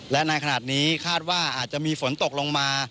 และในขณะนี้คาดว่าอาจจะมีฝนตกลงมา